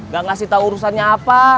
gak ngasih tahu urusannya apa